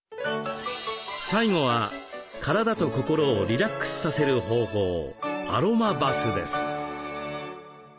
最後は体と心をリラックスさせる方法アロマバスです。